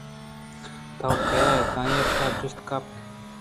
توکئے اِت؟ آئیءَپدا جست گپت